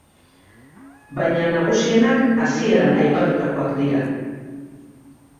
Baina nagusienak hasieran aipatutakoak dira.